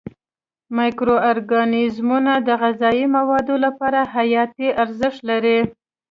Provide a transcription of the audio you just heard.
مایکرو ارګانیزمونه د غذایي موادو لپاره حیاتي ارزښت لري.